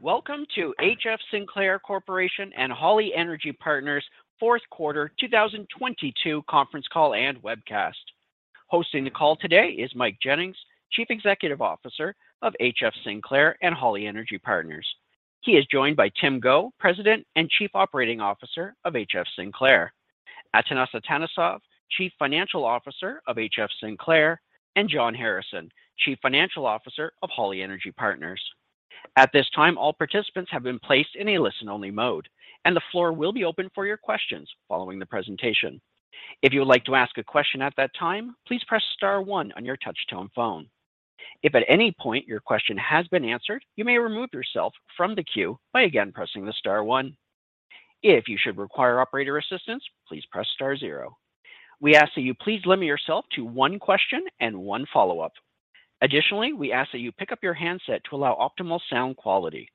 Welcome to HF Sinclair Corporation and Holly Energy Partners' 4th quarter 2022 conference call and webcast. Hosting the call today is Mike Jennings, Chief Executive Officer of HF Sinclair and Holly Energy Partners. He is joined by Tim Go, President and Chief Operating Officer of HF Sinclair, Atanas Atanasov, Chief Financial Officer of HF Sinclair, and John Harrison, Chief Financial Officer of Holly Energy Partners. At this time, all participants have been placed in a listen-only mode, and the floor will be open for your questions following the presentation. If you would like to ask a question at that time, please press star one on your touchtone phone. If at any point your question has been answered, you may remove yourself from the queue by again pressing the star one. If you should require operator assistance, please press star zero. We ask that you please limit yourself to one question and one follow-up. Additionally, we ask that you pick up your handset to allow optimal sound quality.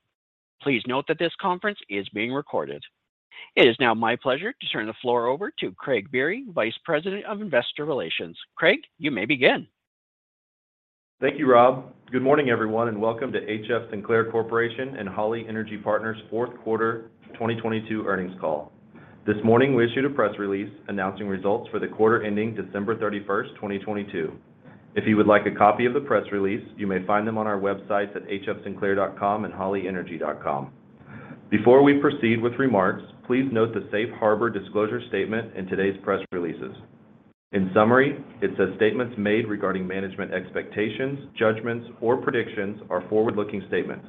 Please note that this conference is being recorded. It is now my pleasure to turn the floor over to Craig Biery, Vice President of Investor Relations. Craig, you may begin. Thank you, Rob. Good morning, everyone, and welcome to HF Sinclair Corporation and Holly Energy Partners' fourth quarter 2022 earnings call. This morning, we issued a press release announcing results for the quarter ending December 31st, 2022. If you would like a copy of the press release, you may find them on our websites at hfsinclair.com and hollyenergy.com. Before we proceed with remarks, please note the safe harbor disclosure statement in today's press releases. In summary, it says statements made regarding management expectations, judgments, or predictions are forward-looking statements.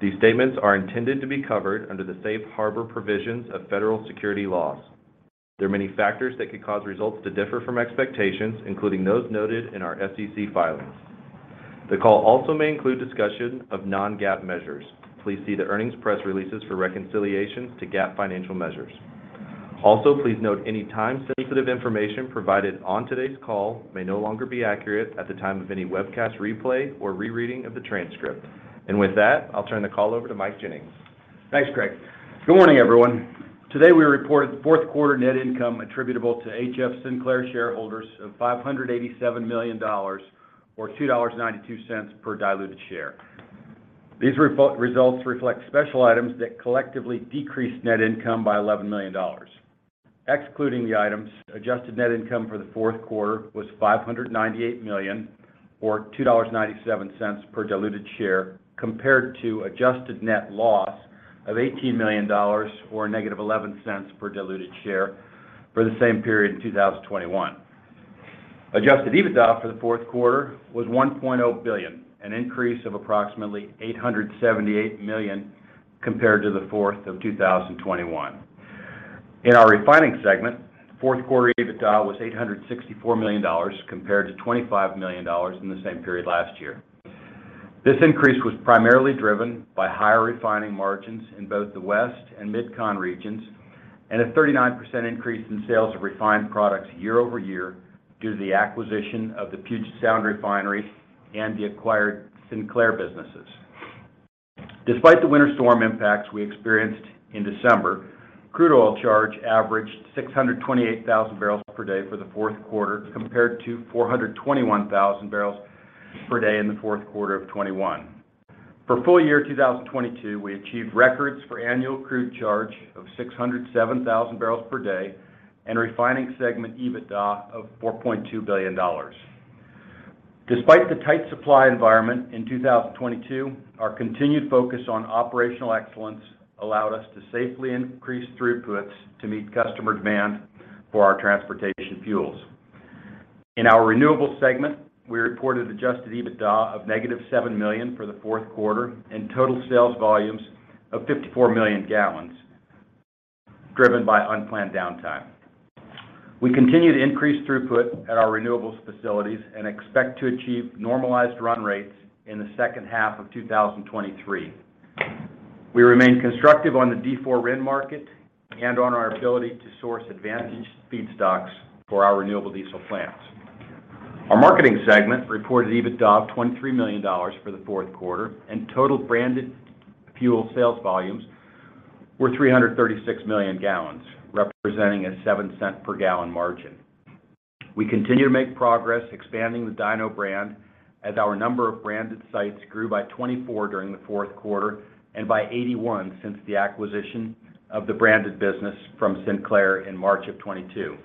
These statements are intended to be covered under the safe harbor provisions of federal security laws. The call also may include discussion of non-GAAP measures. Please see the earnings press releases for reconciliations to GAAP financial measures. Also, please note any time-sensitive information provided on today's call may no longer be accurate at the time of any webcast replay or rereading of the transcript. With that, I'll turn the call over to Mike Jennings. Thanks, Craig. Good morning, everyone. Today, we reported fourth quarter net income attributable to HF Sinclair shareholders of $587 million or $2.92 per diluted share. These results reflect special items that collectively decrease net income by $11 million. Excluding the items, adjusted net income for the fourth quarter was $598 million or $2.97 per diluted share compared to adjusted net loss of $18 million or -$0.11 per diluted share for the same period in 2021. Adjusted EBITDA for the fourth quarter was $1.0 billion, an increase of approximately $878 million compared to the fourth of 2021. In our refining segment, fourth quarter EBITDA was $864 million compared to $25 million in the same period last year. This increase was primarily driven by higher refining margins in both the West and MidCon regions and a 39% increase in sales of refined products year-over-year due to the acquisition of the Puget Sound Refinery and the acquired Sinclair businesses. Despite the winter storm impacts we experienced in December, crude oil charge averaged 628,000 barrels per day for the fourth quarter compared to 421,000 barrels per day in the fourth quarter of 2021. For full year 2022, we achieved records for annual crude charge of 607,000 barrels per day and refining segment EBITDA of $4.2 billion. Despite the tight supply environment in 2022, our continued focus on operational excellence allowed us to safely increase throughputs to meet customer demand for our transportation fuels. In our renewables segment, we reported adjusted EBITDA of negative $7 million for the fourth quarter and total sales volumes of 54 million gallons driven by unplanned downtime. We continue to increase throughput at our renewables facilities and expect to achieve normalized run rates in the second half of 2023. We remain constructive on the D4 RIN market and on our ability to source advantaged feedstocks for our renewable diesel plants. Our marketing segment reported EBITDA of $23 million for the fourth quarter and total branded fuel sales volumes were 336 million gallons, representing a 7 cent per gallon margin. We continue to make progress expanding the Dino brand as our number of branded sites grew by 24 during the fourth quarter and by 81 since the acquisition of the branded business from Sinclair in March of 2022.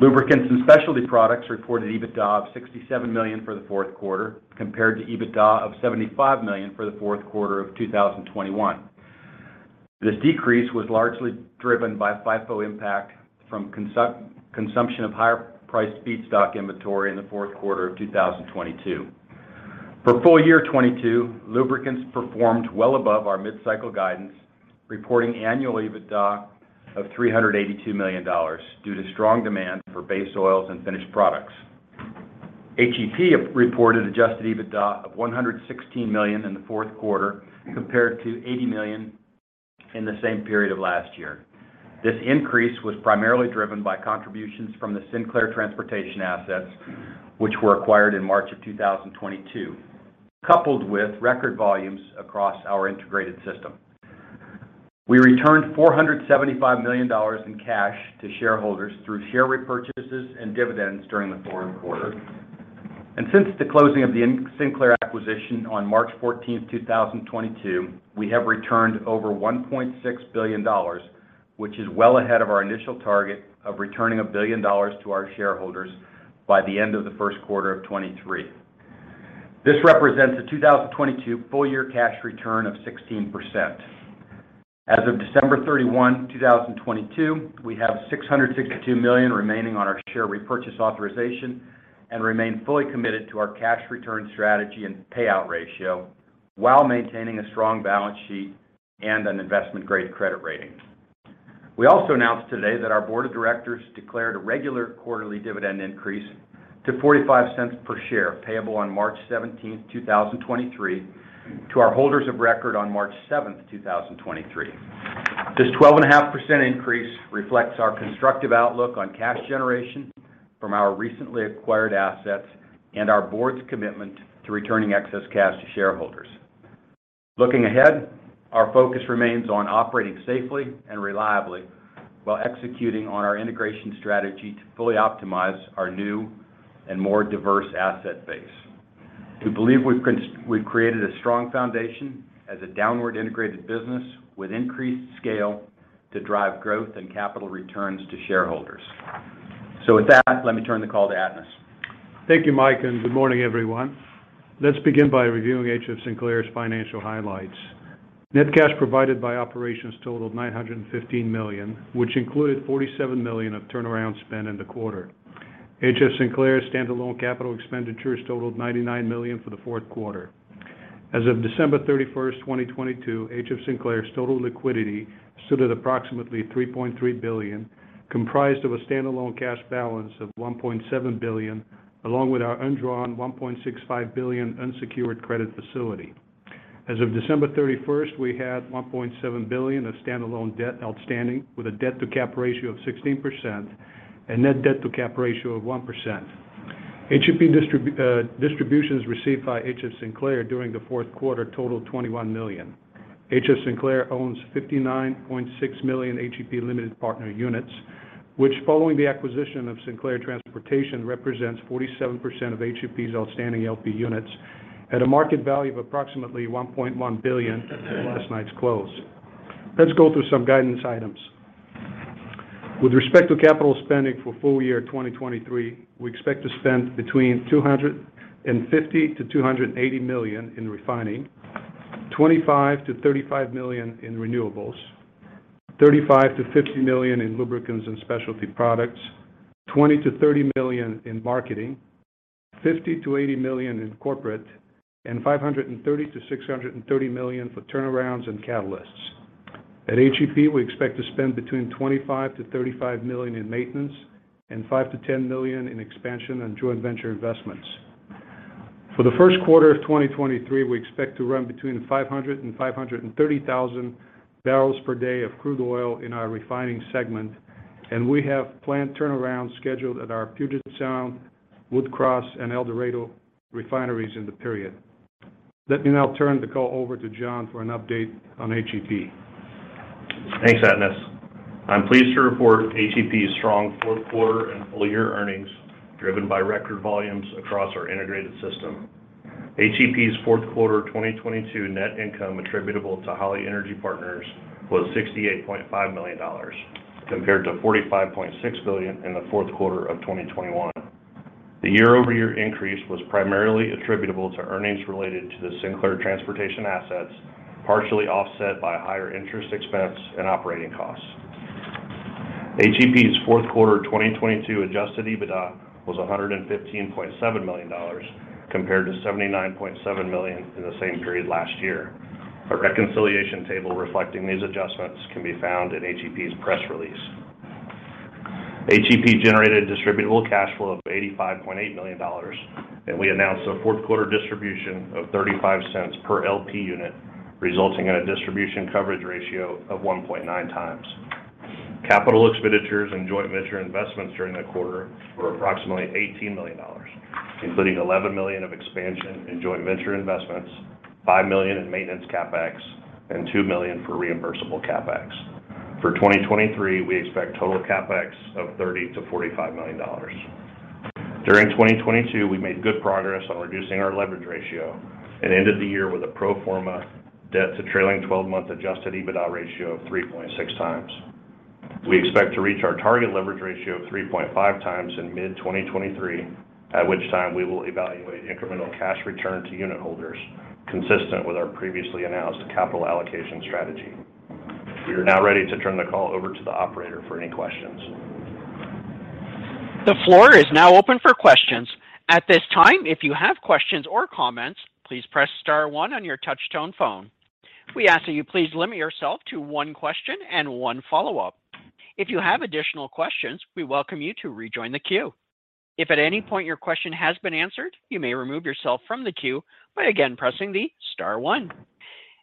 Lubricants and specialty products reported EBITDA of $67 million for the fourth quarter compared to EBITDA of $75 million for the fourth quarter of 2021. This decrease was largely driven by FIFO impact from consumption of higher-priced feedstock inventory in the fourth quarter of 2022. For full year 2022, lubricants performed well above our mid-cycle guidance, reporting annual EBITDA of $382 million due to strong demand for base oils and finished products. HEP reported adjusted EBITDA of $116 million in the fourth quarter compared to $80 million in the same period of last year. This increase was primarily driven by contributions from the Sinclair Transportation assets, which were acquired in March 2022, coupled with record volumes across our integrated system. We returned $475 million in cash to shareholders through share repurchases and dividends during the fourth quarter. Since the closing of the Sinclair acquisition on March 14, 2022, we have returned over $1.6 billion, which is well ahead of our initial target of returning $1 billion to our shareholders by the end of the first quarter of 2023. This represents a 2022 full year cash return of 16%. As of December 31, 2022, we have $662 million remaining on our share repurchase authorization and remain fully committed to our cash return strategy and payout ratio while maintaining a strong balance sheet and an investment-grade credit rating. We also announced today that our board of directors declared a regular quarterly dividend increase to $0.45 per share, payable on March 17, 2023, to our holders of record on March 7, 2023. This 12.5% increase reflects our constructive outlook on cash generation from our recently acquired assets and our board's commitment to returning excess cash to shareholders. Looking ahead, our focus remains on operating safely and reliably while executing on our integration strategy to fully optimize our new and more diverse asset base. We believe we've created a strong foundation as a downward integrated business with increased scale to drive growth and capital returns to shareholders. With that, let me turn the call to Atanas. Thank you, Mike, and good morning, everyone. Let's begin by reviewing HF Sinclair's financial highlights. Net cash provided by operations totaled $915 million, which included $47 million of turnaround spend in the quarter. HF Sinclair's standalone capital expenditures totaled $99 million for the fourth quarter. As of December 31, 2022, HF Sinclair's total liquidity stood at approximately $3.3 billion, comprised of a standalone cash balance of $1.7 billion, along with our undrawn $1.65 billion unsecured credit facility. As of December 31, we had $1.7 billion of standalone debt outstanding, with a debt-to-cap ratio of 16% and net debt-to-cap ratio of 1%. HEP distributions received by HF Sinclair during the fourth quarter totaled $21 million. Sinclair owns 59.6 million HEP limited partner units, which, following the acquisition of Sinclair Transportation, represents 47% of HEP's outstanding LP units at a market value of approximately $1.1 billion at last night's close. Let's go through some guidance items. With respect to capital spending for full year 2023, we expect to spend between $250 million-$280 million in refining, $25 million-$35 million in renewables, $35 million-$50 million in lubricants and specialty products, $20 million-$30 million in marketing, $50 million-$80 million in corporate, and $530 million-$630 million for turnarounds and catalysts. At HEP, we expect to spend between $25 million-$35 million in maintenance and $5 million-$10 million in expansion and joint venture investments. For the first quarter of 2023, we expect to run between 500,000 and 530,000 barrels per day of crude oil in our refining segment. We have plant turnarounds scheduled at our Puget Sound, Woods Cross, and El Dorado refineries in the period. Let me now turn the call over to John for an update on HEP. Thanks, Atanas. I'm pleased to report HEP's strong fourth quarter and full year earnings, driven by record volumes across our integrated system. HEP's fourth quarter 2022 net income attributable to Holly Energy Partners was $68.5 million, compared to $45.6 billion in the fourth quarter of 2021. The year-over-year increase was primarily attributable to earnings related to the Sinclair Transportation assets, partially offset by higher interest expense and operating costs. HEP's fourth quarter 2022 adjusted EBITDA was $115.7 million, compared to $79.7 million in the same period last year. A reconciliation table reflecting these adjustments can be found in HEP's press release. HEP generated distributable cash flow of $85.8 million, and we announced a fourth quarter distribution of $0.35 per LP unit, resulting in a distribution coverage ratio of 1.9x. Capital expenditures and joint venture investments during the quarter were approximately $18 million, including $11 million of expansion in joint venture investments, $5 million in maintenance CapEx, and $2 million for reimbursable CapEx. For 2023, we expect total CapEx of $30 million-$45 million. During 2022, we made good progress on reducing our leverage ratio and ended the year with a pro forma debt to trailing twelve-month adjusted EBITDA ratio of 3.6x. We expect to reach our target leverage ratio of 3.5x in mid-2023, at which time we will evaluate incremental cash return to unitholders, consistent with our previously announced capital allocation strategy. We are now ready to turn the call over to the operator for any questions. The floor is now open for questions. At this time, if you have questions or comments, please press star one on your touchtone phone. We ask that you please limit yourself to one question and one follow-up. If you have additional questions, we welcome you to rejoin the queue. If at any point your question has been answered, you may remove yourself from the queue by again pressing the star one.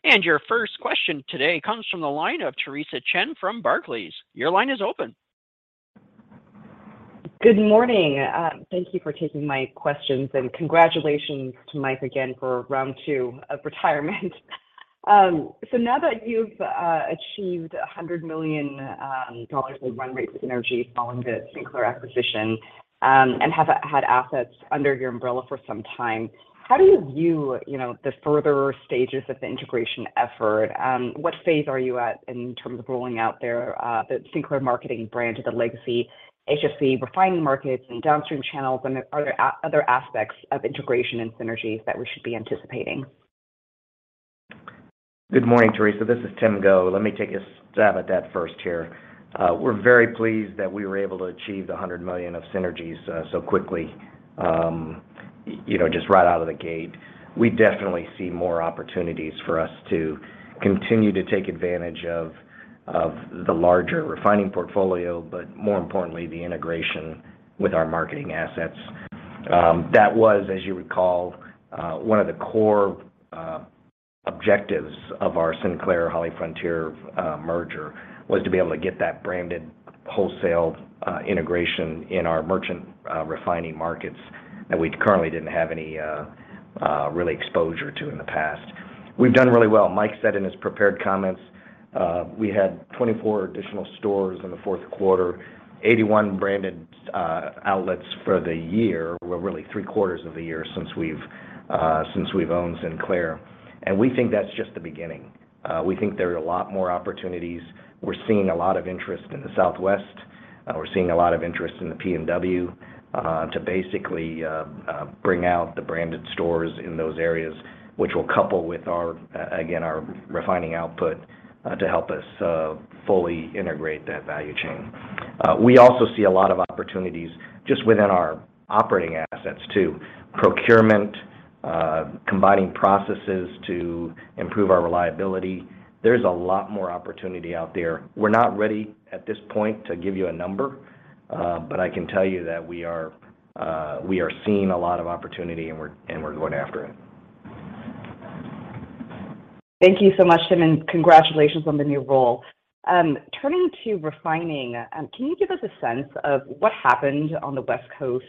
Your first question today comes from the line of Theresa Chen from Barclays. Your line is open. Good morning. Thank you for taking my questions, and congratulations to Mike again for round two of retirement. Now that you've achieved $100 million of run rate synergies following the Sinclair acquisition, and have had assets under your umbrella for some time, how do you view, you know, the further stages of the integration effort? What phase are you at in terms of rolling out their the Sinclair marketing brand to the legacy HFC refining markets and downstream channels, and are there other aspects of integration and synergies that we should be anticipating? Good morning, Theresa. This is Tim Go. Let me take a stab at that first here. We're very pleased that we were able to achieve the $100 million of synergies so quickly, you know, just right out of the gate. We definitely see more opportunities for us to continue to take advantage of the larger refining portfolio, but more importantly, the integration with our marketing assets. That was, as you recall, one of the core objectives of our Sinclair/HollyFrontier merger was to be able to get that branded wholesale integration in our merchant refining markets that we currently didn't have any really exposure to in the past. We've done really well. Mike said in his prepared comments, we had 24 additional stores in the fourth quarter, 81 branded outlets for the year. We're really three-quarters of the year since we've owned Sinclair. We think that's just the beginning. We think there are a lot more opportunities. We're seeing a lot of interest in the Southwest. We're seeing a lot of interest in the PNW to basically bring out the branded stores in those areas, which will couple with our again, our refining output to help us fully integrate that value chain. We also see a lot of opportunities just within our operating assets too. Procurement, combining processes to improve our reliability. There's a lot more opportunity out there. We're not ready at this point to give you a number. I can tell you that we are seeing a lot of opportunity, and we're going after it. Thank you so much, Tim, and congratulations on the new role. Turning to refining, can you give us a sense of what happened on the West Coast,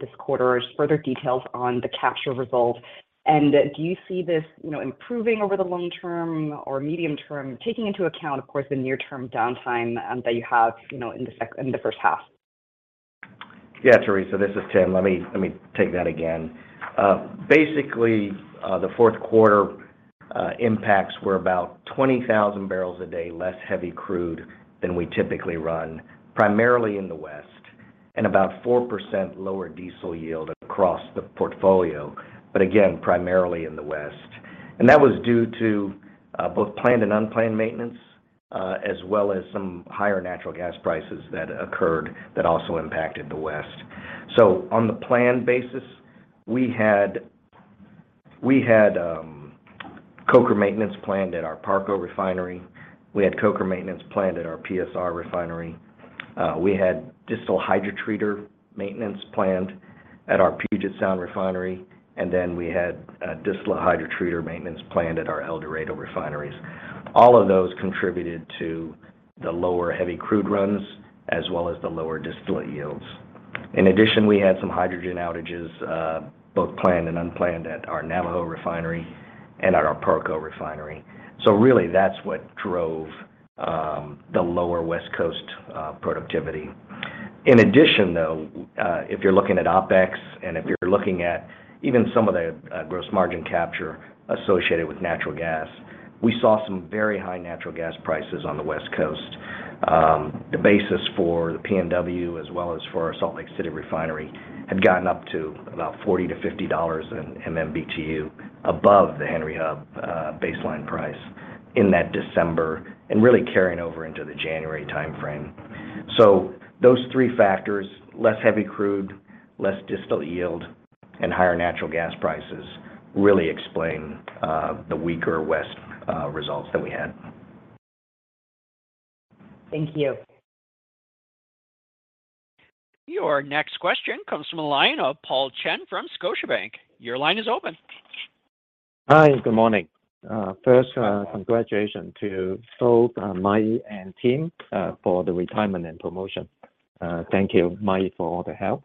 this quarter? Further details on the capture results, and do you see this, you know, improving over the long term or medium term, taking into account, of course, the near-term downtime, that you have, you know, in the first half? Yeah, Theresa, this is Tim. Let me take that again. Basically, the fourth quarter impacts were about 20,000 barrels a day, less heavy crude than we typically run, primarily in the West, but again, primarily in the West. That was due to both planned and unplanned maintenance, as well as some higher natural gas prices that occurred that also impacted the West. On the planned basis, we had coker maintenance planned at our Parco refinery. We had coker maintenance planned at our PSR refinery. We had distill hydrotreater maintenance planned at our Puget Sound refinery, and then we had a distill hydrotreater maintenance planned at our El Dorado refineries. All of those contributed to the lower heavy crude runs as well as the lower distillate yields. We had some hydrogen outages, both planned and unplanned at our Navajo refinery and at our Parco refinery. That's what drove the lower West Coast productivity. If you're looking at OpEx and if you're looking at even some of the gross margin capture associated with natural gas, we saw some very high natural gas prices on the West Coast. The basis for the PNW, as well as for our Salt Lake City refinery, had gotten up to about $40-$50 in MMBtu above the Henry Hub baseline price in that December and really carrying over into the January timeframe. Those three factors, less heavy crude, less distillate yield, and higher natural gas prices really explain the weaker West results that we had. Thank you. Your next question comes from the line of Paul Cheng from Scotiabank. Your line is open. Hi, good morning. First, congratulations to both Mike and Tim for the retirement and promotion. Thank you, Mike, for all the help.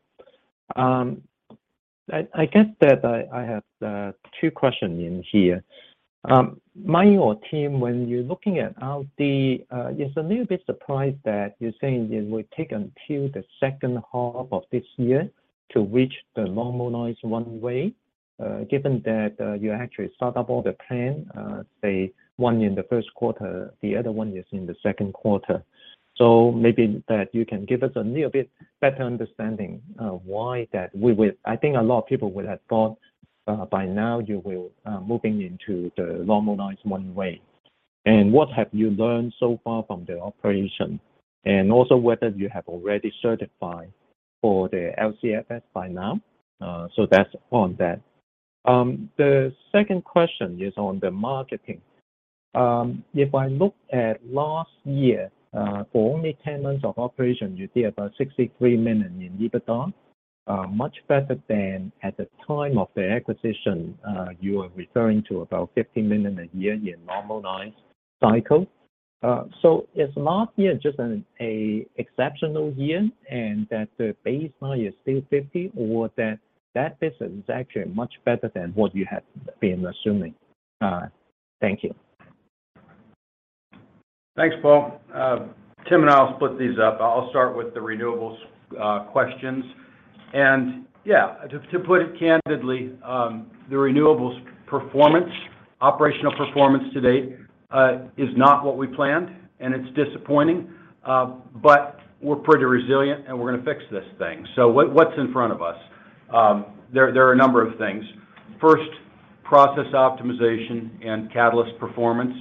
I guess that I have two questions in here. Mike or Tim, when you're looking at LD, it's a little bit surprised that you're saying it will take until the second half of this year to reach the normalized run rate, given that you actually start up all the plan, say one in the first quarter, the other one is in the second quarter. Maybe that you can give us a little bit better understanding of why that I think a lot of people would have thought, by now you will, moving into the normalized run rate. What have you learned so far from the operation? Also whether you have already certified for the LCFS by now? That's on that. The second question is on the marketing. If I look at last year, for only 10 months of operation, you see about $63 million in EBITDA. Much better than at the time of the acquisition, you are referring to about $50 million a year in normalized cycle. Is last year just an exceptional year and that the baseline is still $50 million or that business is actually much better than what you had been assuming? Thank you. Thanks, Paul. Tim and I will split these up. I'll start with the renewables, questions. Yeah, to put it candidly, the renewables performance, operational performance to date, is not what we planned, and it's disappointing. We're pretty resilient, and we're gonna fix this thing. What's in front of us? There are a number of things. First, process optimization and catalyst performance,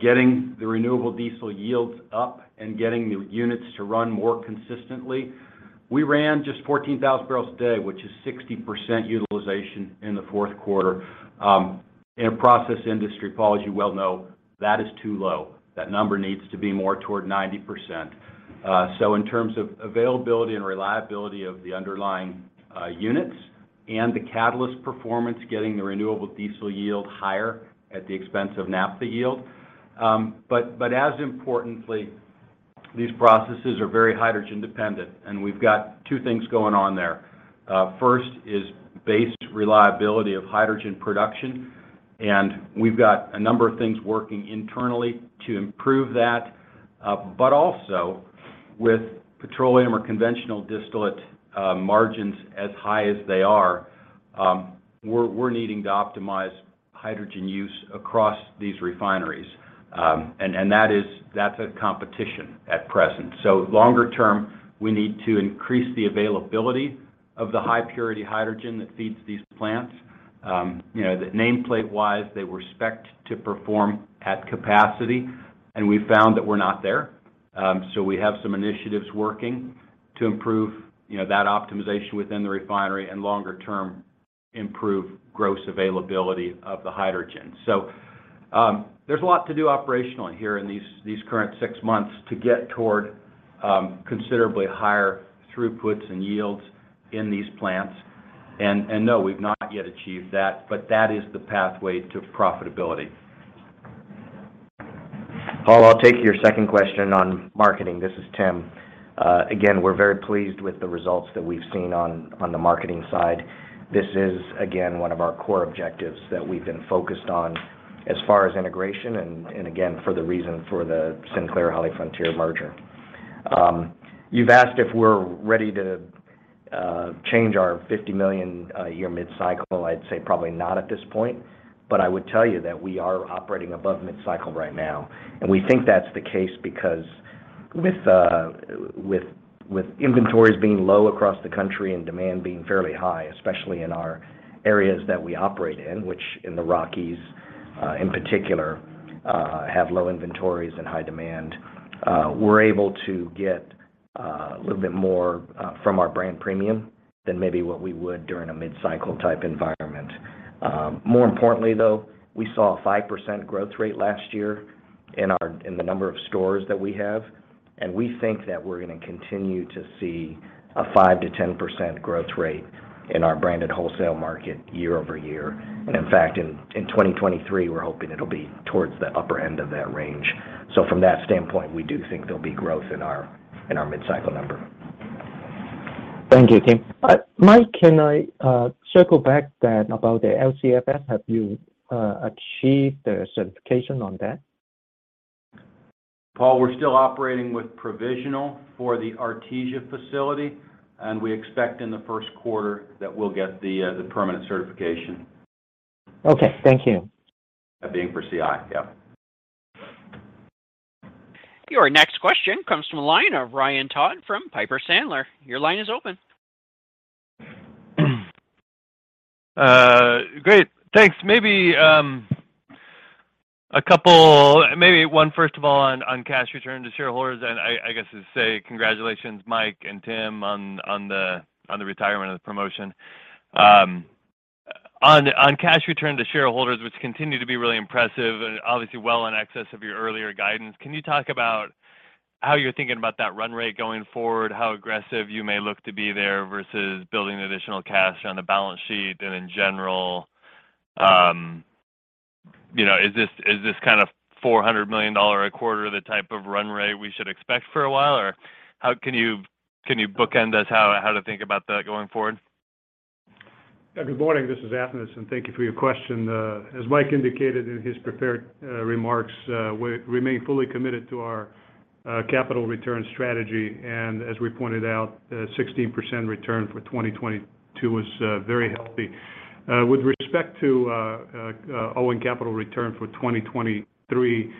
getting the renewable diesel yields up and getting the units to run more consistently. We ran just 14,000 barrels a day, which is 60% utilization in the fourth quarter. In a process industry, Paul, as you well know, that is too low. That number needs to be more toward 90%. In terms of availability and reliability of the underlying units and the catalyst performance, getting the renewable diesel yield higher at the expense of naphtha yield. As importantly, these processes are very hydrogen-dependent, and we've got two things going on there. First is base reliability of hydrogen production, and we've got a number of things working internally to improve that. But also with petroleum or conventional distillate margins as high as they are, we're needing to optimize hydrogen use across these refineries. That's a competition at present. Longer term, we need to increase the availability of the high-purity hydrogen that feeds these plants. You know, the nameplate-wise, they were specced to perform at capacity, and we found that we're not there. We have some initiatives working to improve, you know, that optimization within the refinery and longer term, improve gross availability of the hydrogen. There's a lot to do operationally here in these current six months to get toward considerably higher throughputs and yields in these plants. No, we've not yet achieved that, but that is the pathway to profitability. Paul, I'll take your second question on marketing. This is Tim. Again, we're very pleased with the results that we've seen on the marketing side. This is, again, one of our core objectives that we've been focused on as far as integration and again, for the reason for the Sinclair/HollyFrontier merger. You've asked if we're ready to change our $50 million year mid-cycle. I'd say probably not at this point, but I would tell you that we are operating above mid-cycle right now. We think that's the case because with inventories being low across the country and demand being fairly high, especially in our areas that we operate in, which in the Rockies, in particular, have low inventories and high demand, we're able to get a little bit more from our brand premium than maybe what we would during a mid-cycle type environment. More importantly, though, we saw a 5% growth rate last year in the number of stores that we have, and we think that we're gonna continue to see a 5%-10% growth rate in our branded wholesale market year-over-year. In fact, in 2023, we're hoping it'll be towards the upper end of that range. From that standpoint, we do think there'll be growth in our mid-cycle number. Thank you, Tim. Mike, can I circle back then about the LCFS? Have you achieved the certification on that? Paul, we're still operating with provisional for the Artesia facility, and we expect in the first quarter that we'll get the permanent certification. Okay. Thank you. That being for CI, yeah. Your next question comes from the line of Ryan Todd from Piper Sandler. Your line is open. Great. Thanks. Maybe one first of all on cash return to shareholders, and I guess just say congratulations, Mike and Tim, on the retirement and the promotion. On cash return to shareholders, which continue to be really impressive and obviously well in excess of your earlier guidance, can you talk about how you're thinking about that run rate going forward, how aggressive you may look to be there versus building additional cash on the balance sheet? In general, you know, is this kind of $400 million a quarter the type of run rate we should expect for a while? Or can you bookend us how to think about that going forward? Yeah. Good morning. This is Atenas. Thank you for your question. As Mike Jennings indicated in his prepared remarks, we remain fully committed to our capital return strategy. As we pointed out, 16% return for 2022 was very healthy. With respect to owing capital return for 2023,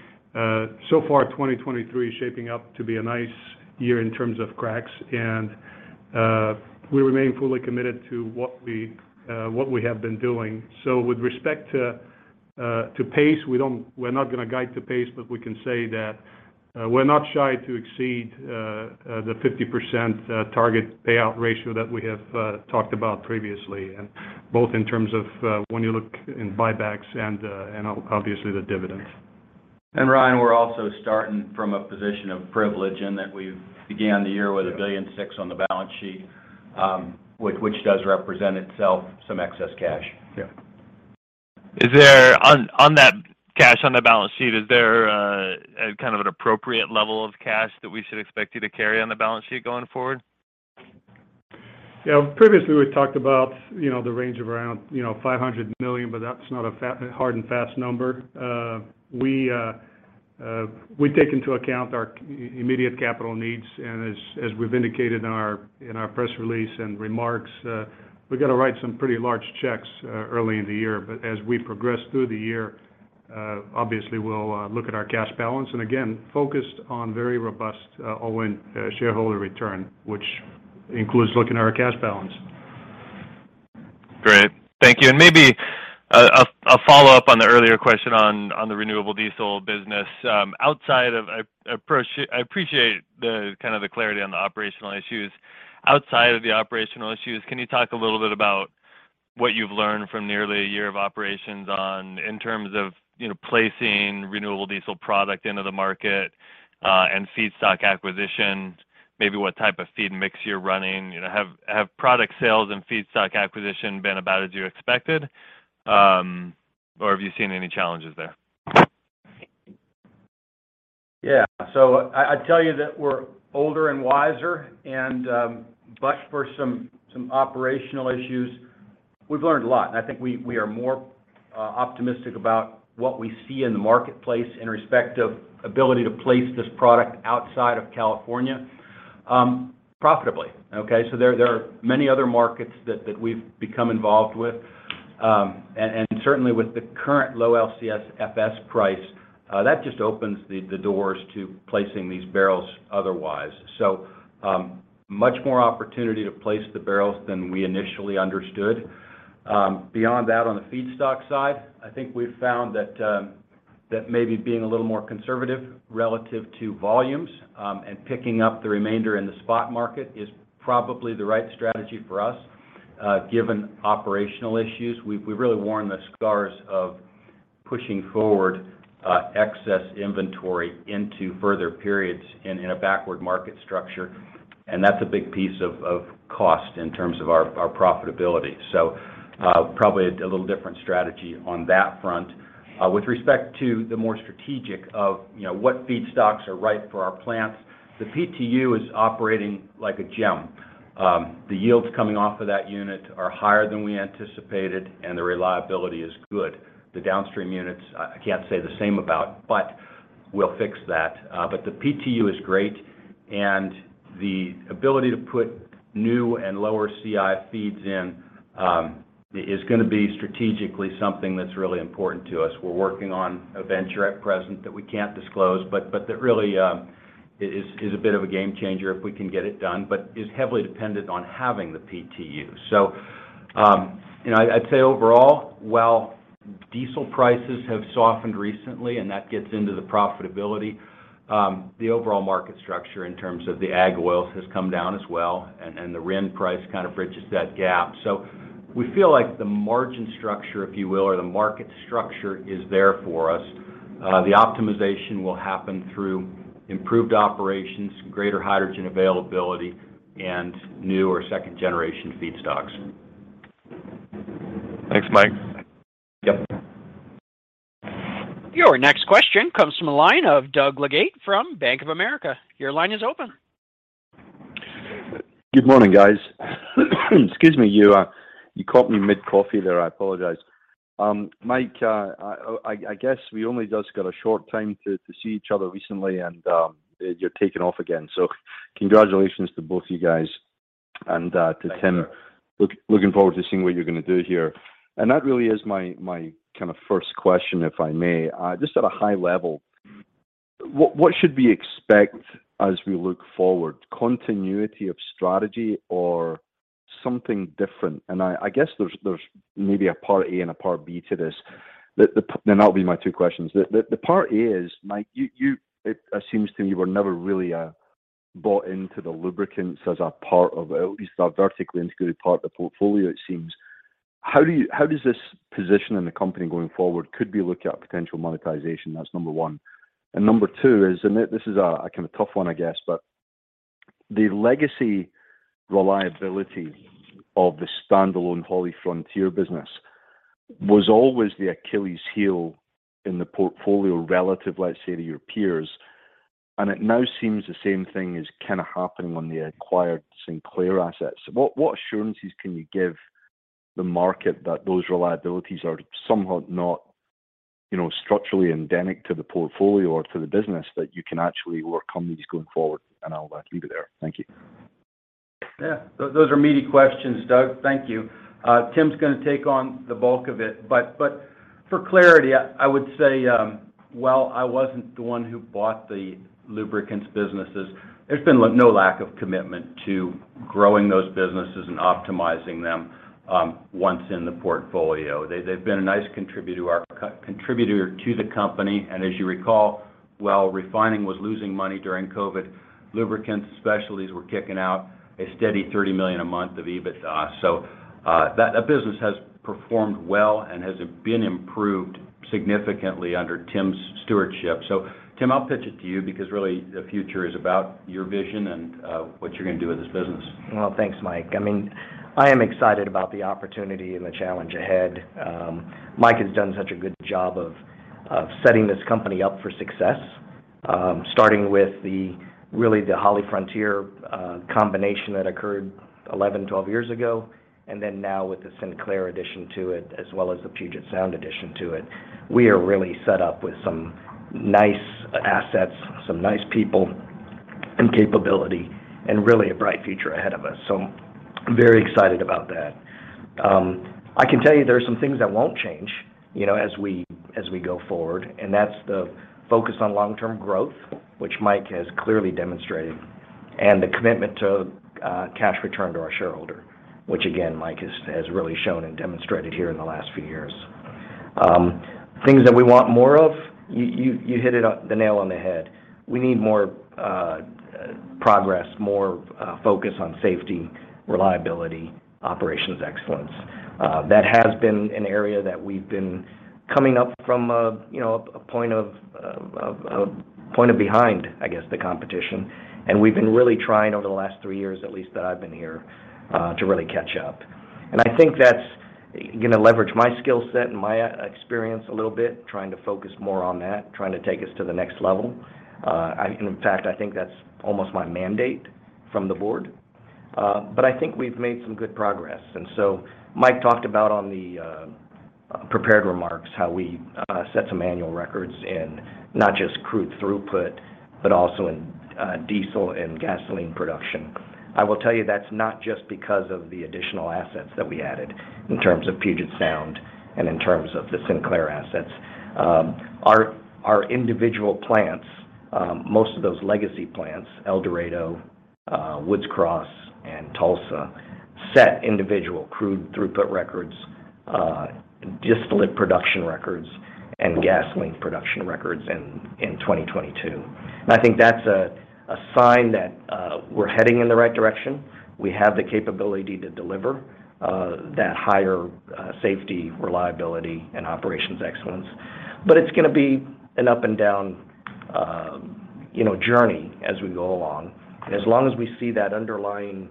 so far, 2023 is shaping up to be a nice year in terms of cracks. We remain fully committed to what we have been doing. With respect to pace, we're not gonna guide to pace, but we can say that we're not shy to exceed the 50% target payout ratio that we have talked about previously, both in terms of when you look in buybacks and obviously the dividends. Ryan, we're also starting from a position of privilege in that we began the year with $1.6 billion on the balance sheet, which does represent itself some excess cash. Yeah. On that cash on the balance sheet, is there a kind of an appropriate level of cash that we should expect you to carry on the balance sheet going forward? Yeah. Previously, we talked about, you know, the range of around, you know, $500 million, that's not a hard and fast number. We take into account our immediate capital needs, as we've indicated in our press release and remarks, we've got to write some pretty large checks early in the year. As we progress through the year, obviously we'll look at our cash balance. Again, focused on very robust OIN shareholder return, which includes looking at our cash balance. Great. Thank you. Maybe a follow-up on the earlier question on the renewable diesel business. Outside of... I appreciate the kind of the clarity on the operational issues. Outside of the operational issues, can you talk a little bit about what you've learned from nearly a year of operations on, in terms of, you know, placing renewable diesel product into the market, and feedstock acquisition? Maybe what type of feed mix you're running. You know, have product sales and feedstock acquisition been about as you expected, or have you seen any challenges there? I tell you that we're older and wiser and, but for some operational issues, we've learned a lot. I think we are more optimistic about what we see in the marketplace in respect of ability to place this product outside of California profitably, okay? There are many other markets that we've become involved with. And certainly with the current low LCFS price, that just opens the doors to placing these barrels otherwise. Much more opportunity to place the barrels than we initially understood. Beyond that, on the feedstock side, I think we've found that maybe being a little more conservative relative to volumes, and picking up the remainder in the spot market is probably the right strategy for us given operational issues. We've really worn the scars of pushing forward excess inventory into further periods in a backward market structure, and that's a big piece of cost in terms of our profitability. Probably a little different strategy on that front. With respect to the more strategic of, you know, what feedstocks are right for our plants, the PTU is operating like a gem. The yields coming off of that unit are higher than we anticipated, and the reliability is good. The downstream units, I can't say the same about, but we'll fix that. The PTU is great, and the ability to put new and lower CI feeds in is gonna be strategically something that's really important to us. We're working on a venture at present that we can't disclose, but that really is a bit of a game changer if we can get it done, but is heavily dependent on having the PTU. You know, I'd say overall, while diesel prices have softened recently and that gets into the profitability, the overall market structure in terms of the ag oils has come down as well, and the RIN price kind of bridges that gap. We feel like the margin structure, if you will, or the market structure is there for us. The optimization will happen through improved operations, greater hydrogen availability, and new or second-generation feedstocks. Thanks, Mike. Yep. Your next question comes from a line of Doug Leggate from Bank of America. Your line is open. Good morning, guys. Excuse me. You, you caught me mid-coffee there. I apologize. Mike, I guess we only just got a short time to see each other recently, and, you're taking off again. Congratulations to both of you guys. To Tim- Thanks, Doug. Looking forward to seeing what you're gonna do here. That really is my kind of first question, if I may. Just at a high level, what should we expect as we look forward? Continuity of strategy or something different? I guess there's maybe a part A and a part B to this. That'll be my two questions. The part A is, Mike, you, it seems to me you were never really bought into the lubricants as a part of, at least a vertically integrated part of the portfolio, it seems. How does this position in the company going forward could be looking at potential monetization? That's number one. Number two is, and this is, a kind of tough one, I guess, but the legacy reliability of the standalone HollyFrontier business was always the Achilles heel in the portfolio relative, let's say, to your peers. It now seems the same thing is kinda happening on the acquired Sinclair assets. What assurances can you give the market that those reliabilities are somehow not, you know, structurally endemic to the portfolio or to the business that you can actually work on these going forward? I'll leave it there. Thank you. Yeah. Those are meaty questions, Doug. Thank you. Tim's gonna take on the bulk of it. For clarity, I would say, while I wasn't the one who bought the lubricants businesses, there's been no lack of commitment to growing those businesses and optimizing them, once in the portfolio. They've been a nice contributor to the company. As you recall, while refining was losing money during COVID, lubricants and specialties were kicking out a steady $30 million a month of EBITDA. That business has performed well and has been improved significantly under Tim's stewardship. Tim, I'll pitch it to you because really the future is about your vision and what you're gonna do with this business. Well, thanks, Mike. I mean, I am excited about the opportunity and the challenge ahead. Mike has done such a good job of setting this company up for success, starting with really the HollyFrontier combination that occurred 11, 12 years ago, and then now with the Sinclair addition to it as well as the Puget Sound addition to it. We are really set up with some nice assets, some nice people and capability, and really a bright future ahead of us, so I'm very excited about that. I can tell you there are some things that won't change, you know, as we, as we go forward, and that's the focus on long-term growth, which Mike has clearly demonstrated, and the commitment to cash return to our shareholder, which again, Mike has really shown and demonstrated here in the last few years. Things that we want more of, you hit the nail on the head. We need more progress, more focus on safety, reliability, operations excellence. That has been an area that we've been coming up from a, you know, a point of behind, I guess, the competition. We've been really trying over the last three years, at least that I've been here, to really catch up. I think that's gonna leverage my skill set and my experience a little bit, trying to focus more on that, trying to take us to the next level. In fact, I think that's almost my mandate from the board. I think we've made some good progress. Mike talked about on the prepared remarks how we set some annual records in not just crude throughput, but also in diesel and gasoline production. I will tell you that's not just because of the additional assets that we added in terms of Puget Sound and in terms of the Sinclair assets. Our individual plants, most of those legacy plants, El Dorado, Woods Cross, and Tulsa, set individual crude throughput records, distillate production records, and gasoline production records in 2022. I think that's a sign that we're heading in the right direction. We have the capability to deliver that higher safety, reliability, and operations excellence. It's gonna be an up and down, you know, journey as we go along. As long as we see that underlying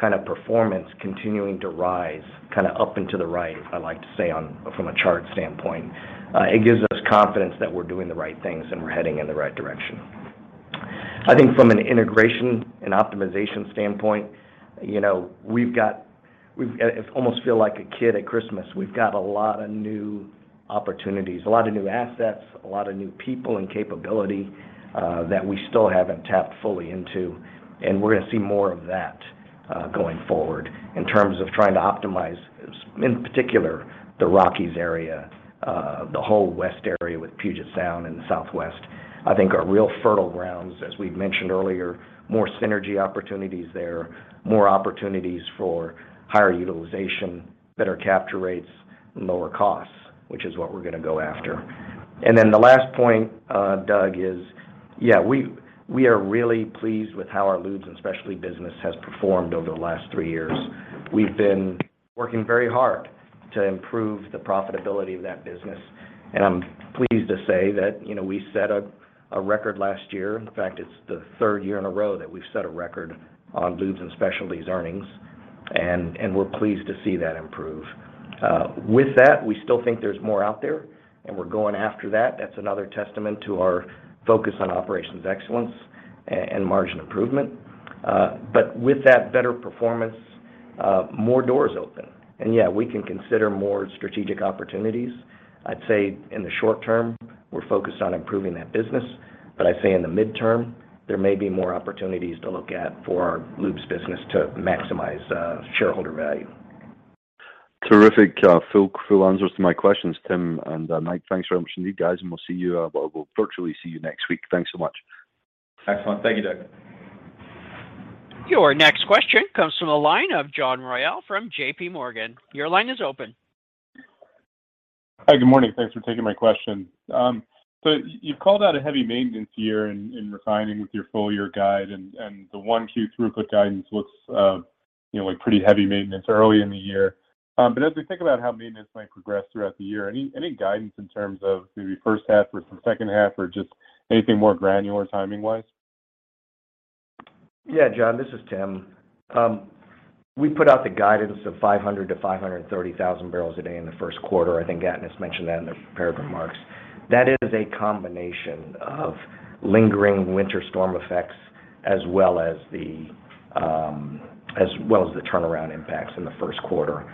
kind of performance continuing to rise, kind of up and to the right, I like to say from a chart standpoint, it gives us confidence that we're doing the right things and we're heading in the right direction. I think from an integration and optimization standpoint, you know, we've got, it's almost feel like a kid at Christmas. We've got a lot of new opportunities, a lot of new assets, a lot of new people and capability that we still haven't tapped fully into, and we're gonna see more of that going forward in terms of trying to optimize, in particular, the Rockies area. The whole west area with Puget Sound and Southwest, I think, are real fertile grounds, as we've mentioned earlier, more synergy opportunities there, more opportunities for higher utilization, better capture rates, and lower costs, which is what we're gonna go after. The last point, Doug, is, we are really pleased with how our lubes and specialty business has performed over the last three years. We've been working very hard to improve the profitability of that business, and I'm pleased to say that, you know, we set a record last year. In fact, it's the third year in a row that we've set a record on lubes and specialties earnings, and we're pleased to see that improve. With that, we still think there's more out there, and we're going after that. That's another testament to our focus on operations excellence and margin improvement. With that better performance, more doors open. Yeah, we can consider more strategic opportunities. I'd say in the short term, we're focused on improving that business. I'd say in the mid term, there may be more opportunities to look at for our lubes business to maximize shareholder value. Terrific, full answers to my questions, Tim and Mike. Thanks very much indeed, guys, and we'll see you, we'll virtually see you next week. Thanks so much. Excellent. Thank you, Doug. Your next question comes from the line of John Royall from JPMorgan. Your line is open. Hi. Good morning. Thanks for taking my question. You've called out a heavy maintenance year in refining with your full year guide, and the 1Q throughput guidance looks, you know, like pretty heavy maintenance early in the year. As we think about how maintenance might progress throughout the year, any guidance in terms of maybe first half versus second half or just anything more granular timing-wise? Yeah, John, this is Tim. We put out the guidance of 500,000-530,000 barrels a day in the first quarter. I think Atanas mentioned that in the prepared remarks. That is a combination of lingering winter storm effects as well as the, as well as the turnaround impacts in the first quarter.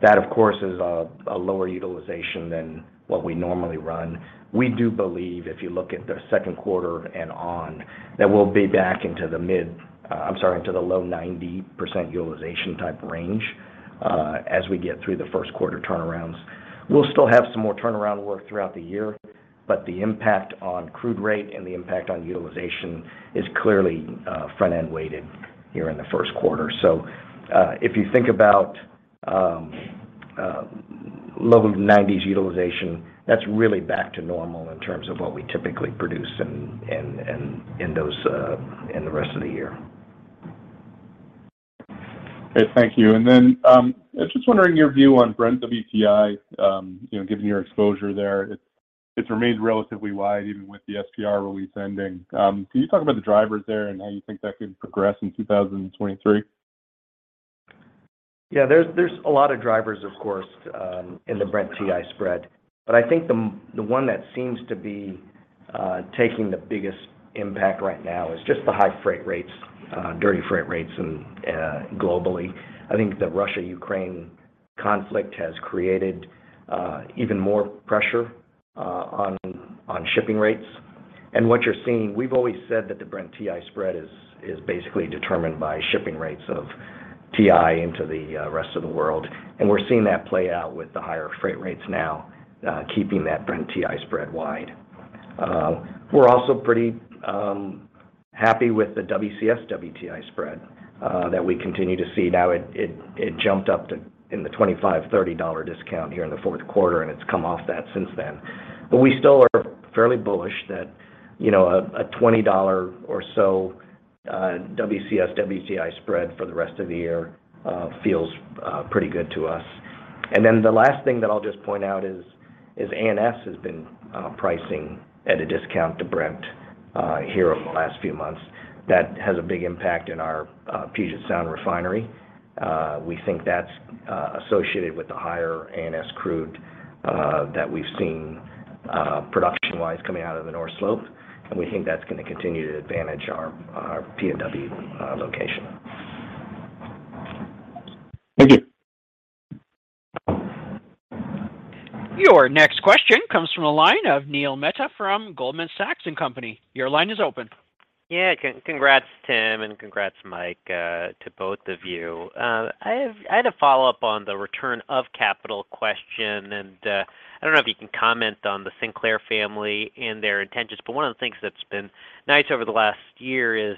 That, of course, is a lower utilization than what we normally run. We do believe if you look at the second quarter and on that we'll be back into the low 90% utilization type range, as we get through the first quarter turnarounds. We'll still have some more turnaround work throughout the year, but the impact on crude rate and the impact on utilization is clearly front-end weighted here in the first quarter. If you think about, low 90s utilization, that's really back to normal in terms of what we typically produce in those, in the rest of the year. Okay. Thank you. Then, I was just wondering your view on Brent WTI, you know, given your exposure there. It's, it's remained relatively wide even with the SPR release ending. Can you talk about the drivers there and how you think that could progress in 2023? Yeah. There's a lot of drivers, of course, in the Brent TI spread. I think the one that seems to be taking the biggest impact right now is just the high freight rates, dirty freight rates and globally. I think the Russia-Ukraine conflict has created even more pressure on shipping rates. What you're seeing. We've always said that the Brent TI spread is basically determined by shipping rates of TI into the rest of the world, and we're seeing that play out with the higher freight rates now, keeping that Brent TI spread wide. We're also pretty happy with the WCS WTI spread that we continue to see. Now, it jumped up to in the $25-$30 discount here in the fourth quarter, and it's come off that since then. We still are fairly bullish that, you know, a $20 or so WCS WTI spread for the rest of the year feels pretty good to us. The last thing that I'll just point out ANS has been pricing at a discount to Brent here over the last few months. That has a big impact in our Puget Sound refinery. We think that's associated with the higher ANS crude that we've seen production-wise coming out of the North Slope, and we think that's gonna continue to advantage our PNW location. Thank you. Your next question comes from the line of Neil Mehta from Goldman Sachs & Co. Your line is open. Yeah. Congrats, Tim, and congrats, Mike, to both of you. I had a follow-up on the return of capital question. I don't know if you can comment on the Sinclair family and their intentions, but one of the things that's been nice over the last year is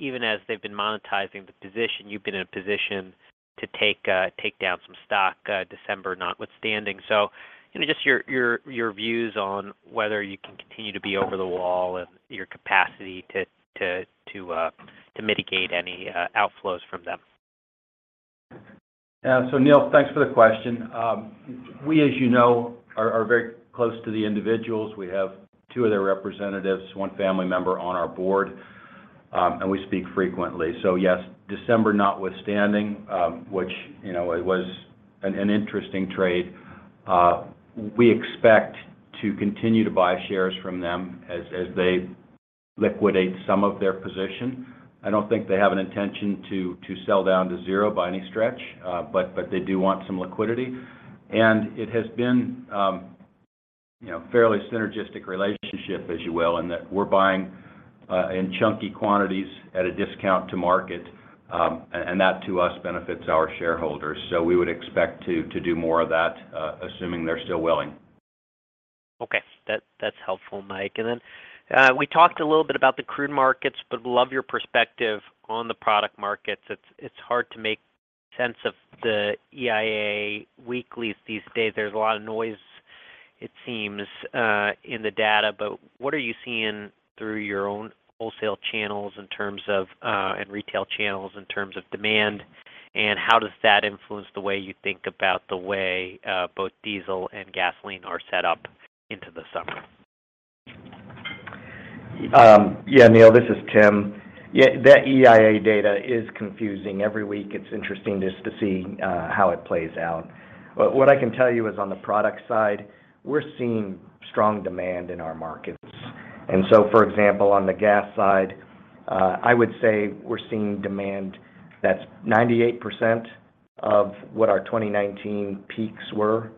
even as they've been monetizing the position, you've been in a position to take down some stock, December notwithstanding. You know, just your views on whether you can continue to be over the wall and your capacity to mitigate any outflows from them. Neil, thanks for the question. We, as you know, are very close to the individuals. We have two of their representatives, one Sinclair family member on our board, and we speak frequently. Yes, December notwithstanding, which, you know, it was an interesting trade, we expect to continue to buy shares from them as they liquidate some of their position. I don't think they have an intention to sell down to zero by any stretch, but they do want some liquidity. It has been, you know, fairly synergistic relationship, as you will, in that we're buying in chunky quantities at a discount to market, and that to us benefits our shareholders. We would expect to do more of that, assuming they're still willing. Okay. That's helpful, Mike. Then we talked a little bit about the crude markets, but love your perspective on the product markets. It's hard to make sense of the EIA weeklies these days. There's a lot of noise, it seems, in the data, but what are you seeing through your own wholesale channels in terms of, and retail channels in terms of demand, and how does that influence the way you think about the way both diesel and gasoline are set up into the summer? Yeah, Neil, this is Tim. That EIA data is confusing. Every week, it's interesting just to see how it plays out. What I can tell you is on the product side, we're seeing strong demand in our markets. For example, on the gas side, I would say we're seeing demand that's 98% of what our 2019 peaks were.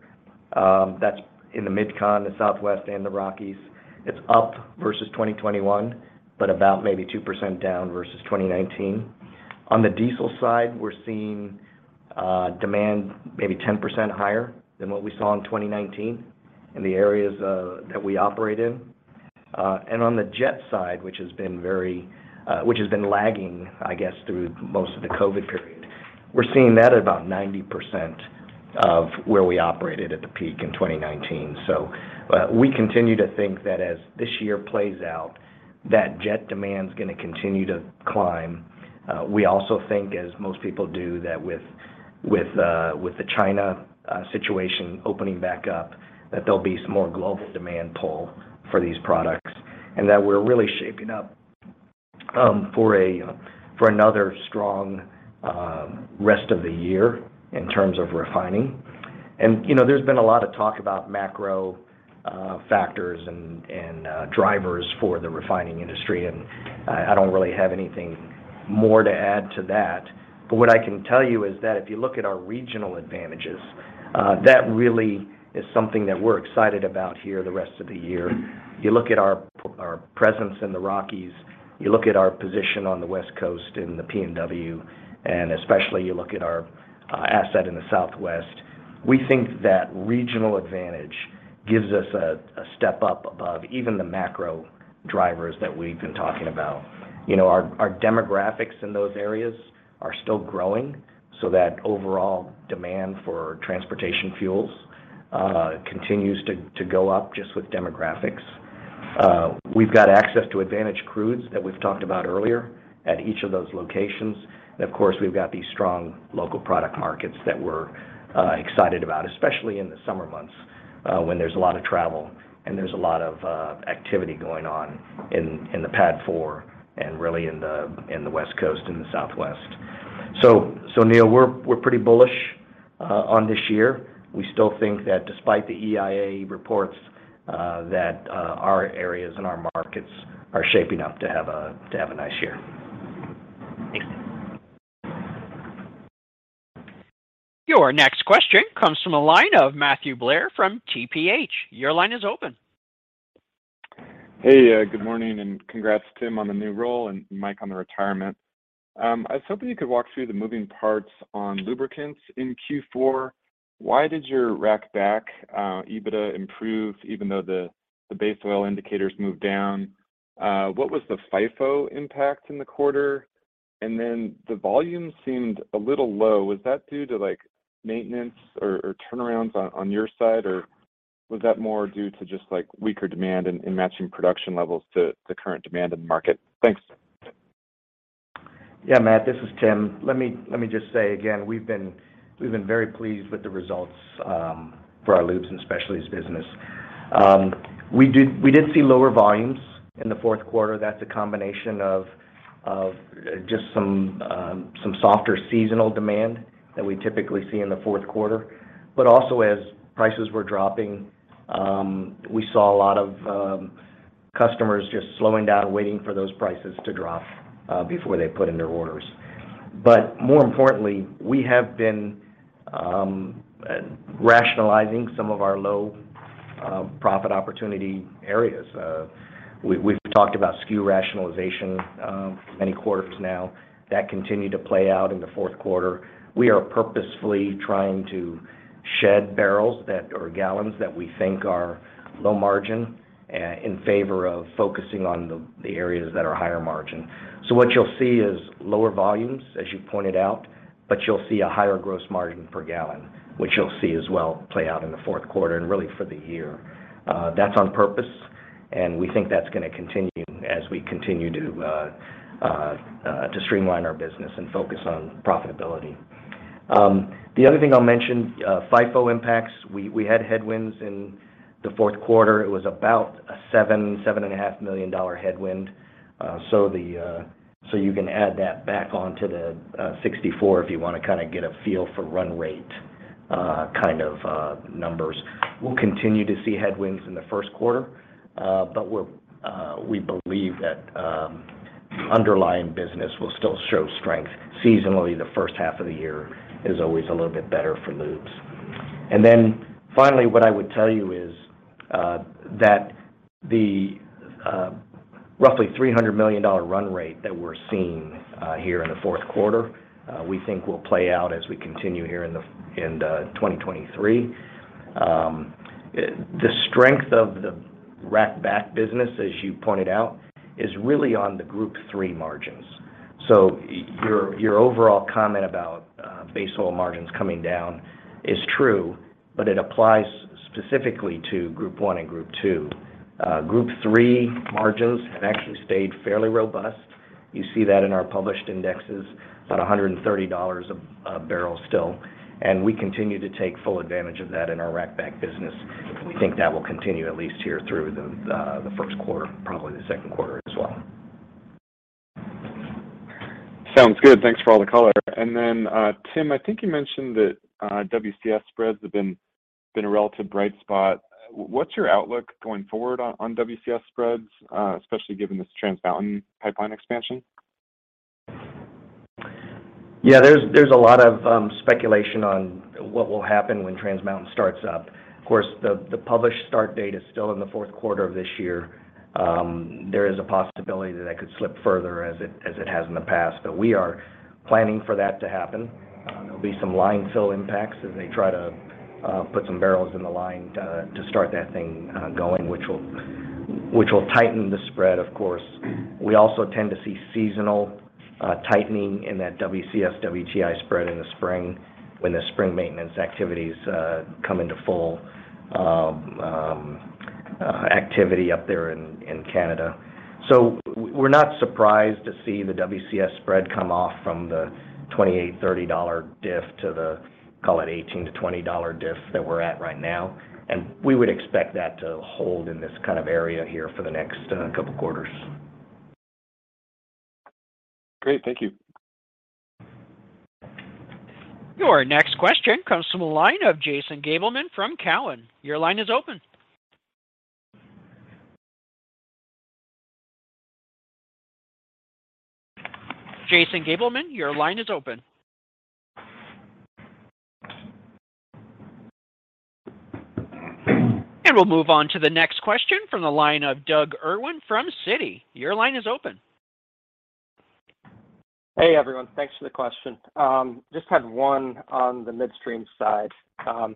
That's in the MidCon, the Southwest, and the Rockies. It's up versus 2021, but about maybe 2% down versus 2019. On the diesel side, we're seeing demand maybe 10% higher than what we saw in 2019 in the areas that we operate in. On the jet side, which has been lagging, I guess, through most of the COVID period, we're seeing that at about 90% of where we operated at the peak in 2019. We continue to think that as this year plays out, tha jet demand's gonna continue to climb. We also think, as most people do, that with the China situation opening back up, that there'll be some more global demand pull for these products and that we're really shaping up for another strong rest of the year in terms of refining. You know, there's been a lot of talk about macro factors and drivers for the refining industry, and I don't really have anything more to add to that. What I can tell you is that if you look at our regional advantages, that really is something that we're excited about here the rest of the year. You look at our presence in the Rockies, you look at our position on the West Coast in the PNW, and especially you look at our asset in the Southwest, we think that regional advantage gives us a step up above even the macro drivers that we've been talking about. You know, our demographics in those areas are still growing, so that overall demand for transportation fuels continues to go up just with demographics. We've got access to advantage crudes that we've talked about earlier at each of those locations. Of course, we've got these strong local product markets that we're excited about, especially in the summer months, when there's a lot of travel and there's a lot of activity going on in the pad four and really in the West Coast and the Southwest. Neil, we're pretty bullish on this year. We still think that despite the EIA reports, that our areas and our markets are shaping up to have a nice year. Your next question comes from a line of Matthew Blair from TPH. Your line is open. Hey, good morning and congrats, Tim, on the new role and Mike on the retirement. I was hoping you could walk through the moving parts on lubricants in Q4. Why did your Rack Back EBITDA improve even though the base oil indicators moved down? What was the FIFO impact in the quarter? The volume seemed a little low. Was that due to, like, maintenance or turnarounds on your side, or was that more due to just, like, weaker demand and matching production levels to the current demand in the market? Thanks. Yeah, Matt, this is Tim. Let me just say again, we've been very pleased with the results for our lubes and specialties business. We did see lower volumes in the fourth quarter. That's a combination of just some softer seasonal demand that we typically see in the fourth quarter. As prices were dropping, we saw a lot of customers just slowing down, waiting for those prices to drop before they put in their orders. More importantly, we have been rationalizing some of our low profit opportunity areas. We've talked about SKU rationalization many quarters now. That continued to play out in the fourth quarter. We are purposefully trying to shed barrels or gallons that we think are low margin in favor of focusing on the areas that are higher margin. What you'll see is lower volumes, as you pointed out, but you'll see a higher gross margin per gallon, which you'll see as well play out in the fourth quarter and really for the year. That's on purpose, and we think that's gonna continue as we continue to streamline our business and focus on profitability. The other thing I'll mention, FIFO impacts. We had headwinds in the fourth quarter. It was about a $7 and a half million headwind. The, so you can add that back on to the 64 if you wanna kind of get a feel for run rate, kind of numbers. We'll continue to see headwinds in the first quarter, but we believe that underlying business will still show strength. Seasonally, the first half of the year is always a little bit better for lubes. Finally, what I would tell you is that the roughly $300 million run rate that we're seeing here in the fourth quarter, we think will play out as we continue here in 2023. The strength of the Rack Back business, as you pointed out, is really on the Group III margins. Your overall comment about base oil margins coming down is true, but it applies specifically to Group I and Group II. Group III margins have actually stayed fairly robust. You see that in our published indexes, about $130 a barrel still, and we continue to take full advantage of that in our Rack Back business. We think that will continue at least here through the first quarter, probably the second quarter as well. Sounds good. Thanks for all the color. Then, Tim, I think you mentioned that WCS spreads have been a relative bright spot. What's your outlook going forward on WCS spreads, especially given this Trans Mountain pipeline expansion? Yeah. There's a lot of speculation on what will happen when Trans Mountain starts up. Of course, the published start date is still in the fourth quarter of this year. There is a possibility that that could slip further as it has in the past, but we are planning for that to happen. There'll be some line fill impacts as they try to put some barrels in the line to start that thing going, which will tighten the spread, of course. We also tend to see seasonal tightening in that WCS-WTI spread in the spring when the spring maintenance activities come into full activity up there in Canada. We're not surprised to see the WCS spread come off from the $28-$30 diff to the, call it $18-$20 diff that we're at right now. We would expect that to hold in this kind of area here for the next couple quarters. Great. Thank you. Your next question comes from a line of Jason Gabelman from Cowen. Your line is open. We'll move on to the next question from the line of Doug Irwin from Citi. Your line is open. Hey, everyone. Thanks for the question. Just had one on the midstream side. I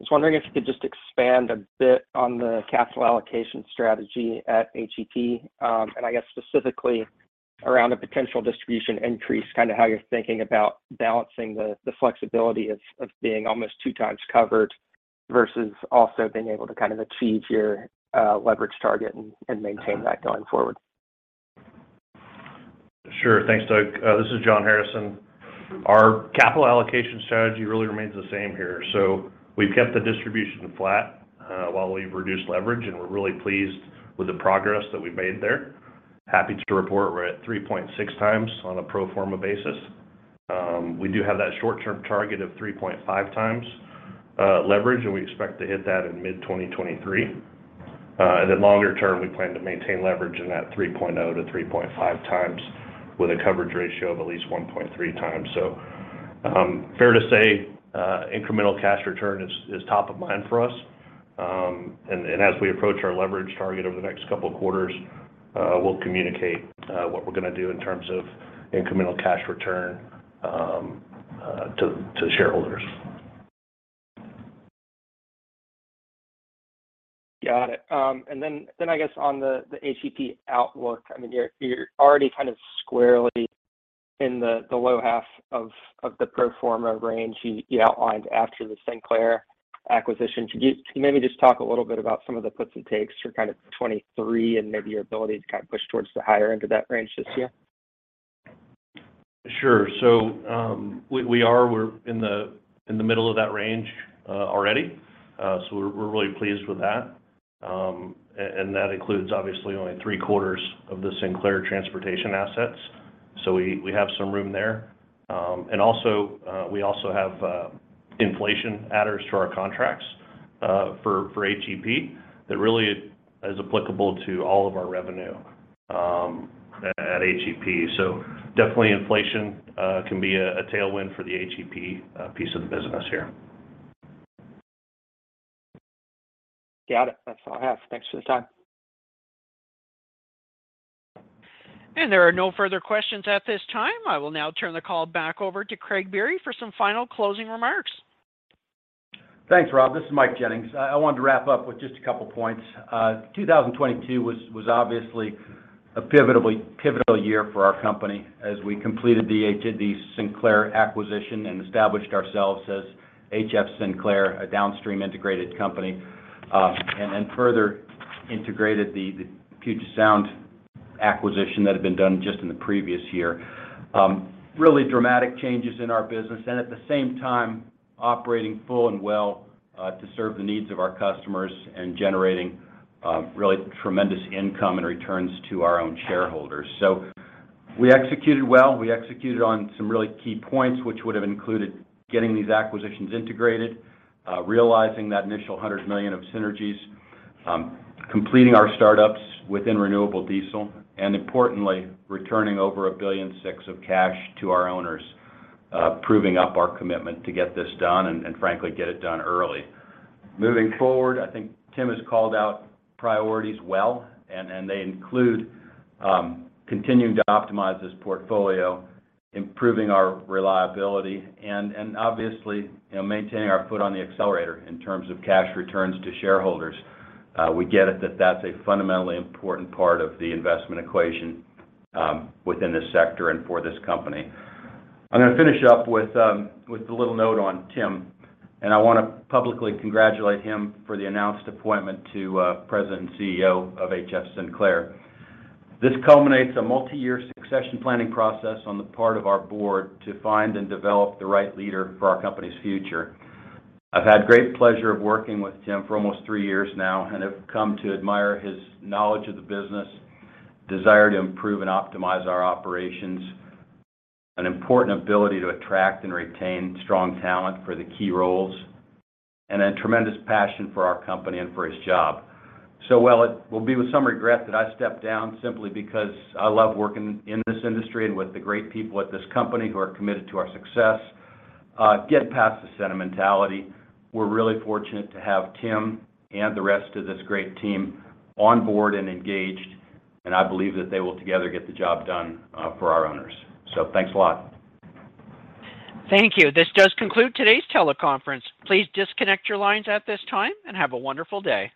was wondering if you could just expand a bit on the capital allocation strategy at HEP. I guess specifically around a potential distribution increase, kind of how you're thinking about balancing the flexibility of being almost 2 times covered versus also being able to kind of achieve your leverage target and maintain that going forward. Sure. Thanks, Doug. This is John Harrison. Our capital allocation strategy really remains the same here. We've kept the distribution flat while we've reduced leverage, and we're really pleased with the progress that we've made there. Happy to report we're at 3.6x on a pro forma basis. We do have that short-term target of 3.5x leverage, and we expect to hit that in mid-2023. Longer term, we plan to maintain leverage in that 3.0x to 3.5x with a coverage ratio of at least 1.3x. Fair to say, incremental cash return is top of mind for us. As we approach our leverage target over the next couple of quarters, we'll communicate what we're gonna do in terms of incremental cash return to shareholders. Got it. Then I guess on the HEP outlook, I mean, you're already kind of squarely in the low half of the pro forma range you outlined after the Sinclair acquisition. Could you maybe just talk a little bit about some of the puts and takes for kind of 2023 and maybe your ability to kind of push towards the higher end of that range this year? Sure. We are. We're in the middle of that range already. We're really pleased with that. That includes obviously only three-quarters of the Sinclair Transportation assets, so we have some room there. Also, we also have inflation adders to our contracts for HEP that really is applicable to all of our revenue at HEP. Definitely inflation can be a tailwind for the HEP piece of the business here. Got it. That's all I have. Thanks for the time. There are no further questions at this time. I will now turn the call back over to Craig Biery for some final closing remarks. Thanks, Rob. This is Mike Jennings. I wanted to wrap up with just a couple points. 2022 was obviously a pivotal year for our company as we completed the Sinclair acquisition and established ourselves as HF Sinclair, a downstream integrated company, and further integrated the Puget Sound acquisition that had been done just in the previous year. Really dramatic changes in our business and at the same time, operating full and well, to serve the needs of our customers and generating really tremendous income and returns to our own shareholders. We executed well. We executed on some really key points, which would have included getting these acquisitions integrated, realizing that initial $100 million of synergies, completing our startups within Renewable Diesel, and importantly, returning over $1.6 billion of cash to our owners, proving up our commitment to get this done and frankly, get it done early. Moving forward, I think Tim has called out priorities well, and they include, continuing to optimize this portfolio, improving our reliability, and obviously, you know, maintaining our foot on the accelerator in terms of cash returns to shareholders. We get it that that's a fundamentally important part of the investment equation, within this sector and for this company. I'm gonna finish up with a little note on Tim Go. I wanna publicly congratulate him for the announced appointment to President and CEO of HF Sinclair. This culminates a multi-year succession planning process on the part of our board to find and develop the right leader for our company's future. I've had great pleasure of working with Tim Go for almost three years now and have come to admire his knowledge of the business, desire to improve and optimize our operations, an important ability to attract and retain strong talent for the key roles, and a tremendous passion for our company and for his job. While it will be with some regret that I step down simply because I love working in this industry and with the great people at this company who are committed to our success, get past the sentimentality. We're really fortunate to have Tim and the rest of this great team on board and engaged. I believe that they will together get the job done, for our owners. Thanks a lot. Thank you. This does conclude today's teleconference. Please disconnect your lines at this time, and have a wonderful day.